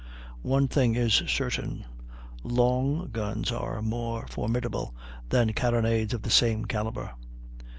One thing is certain; long guns are more formidable than carronades of the same calibre.